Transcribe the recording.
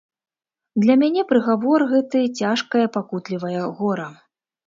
Для мяне прыгавор гэты цяжкае пакутлівае гора.